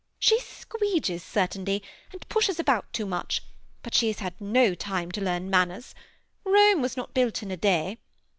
"She squeedges, certainly, and pushes about too much ; but she has had no time to learn manners. Rome was not built in a day.